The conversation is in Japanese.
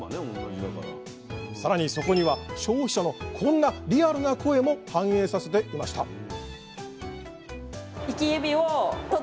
更にそこには消費者のこんなリアルな声も反映させていました